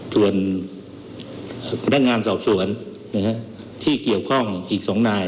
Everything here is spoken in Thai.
ส่วนพนักงานสอบสวนที่เกี่ยวข้องอีก๒นาย